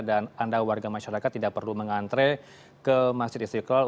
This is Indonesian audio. dan anda warga masyarakat tidak perlu mengantre ke masjid istiqlal